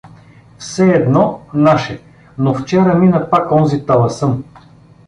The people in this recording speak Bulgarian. Все едно — наш е… Но вчера мина пак онзи таласъм.